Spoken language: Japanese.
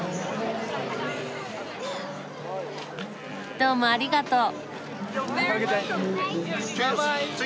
どうもありがとう。